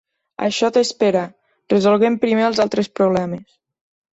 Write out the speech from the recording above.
Això té espera: resolguem primer els altres problemes.